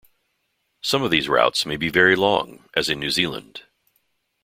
Some of these routes may be very long, as in New Zealand.